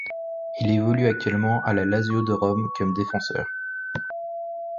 Il évolue actuellement à la Lazio de Rome comme défenseur.